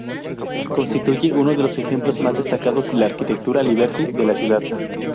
Constituye uno de los ejemplos más destacados de la arquitectura liberty de la ciudad.